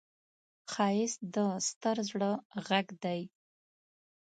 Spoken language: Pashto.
ښایست د ستر زړه غږ دی